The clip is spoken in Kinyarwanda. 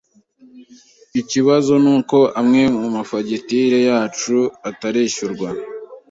Ikibazo nuko amwe mu mafagitire yacu atarishyurwa.